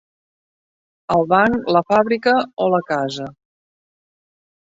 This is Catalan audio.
El banc, la fàbrica o la casa?